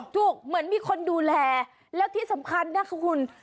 เหมือนมีคนดูแลแล้วที่สำคัญนะคะคุณ